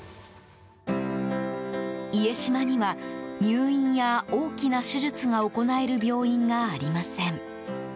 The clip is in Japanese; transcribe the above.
家島には、入院や大きな手術が行える病院がありません。